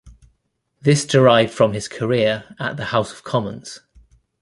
This derived from his career at the House of Commons.